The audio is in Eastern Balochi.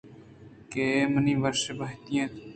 کہ اےمنی وش بہتی اَت